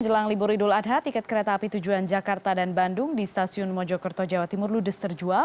jelang libur idul adha tiket kereta api tujuan jakarta dan bandung di stasiun mojokerto jawa timur ludes terjual